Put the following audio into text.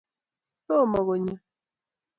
tomo konyo